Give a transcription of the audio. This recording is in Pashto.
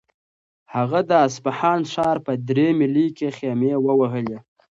هغه د اصفهان ښار په درې میلۍ کې خیمې ووهلې.